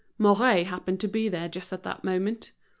Mouret happened to be there, just at that moment.